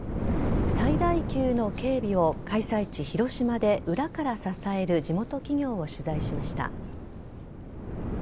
最大級の警備を開催地・広島で裏から支える地元企業を取材しました。